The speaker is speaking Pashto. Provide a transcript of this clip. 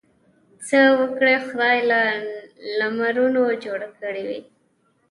څه وګړي خدای له لمرونو جوړ کړي وي.